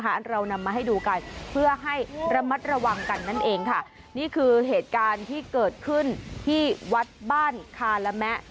เรานำมาให้ดูกันเพื่อให้ระมัดระวังกันนั่นเองค่ะนี่คือเหตุการณ์ที่เกิดขึ้นที่วัดบ้านคาระแมะ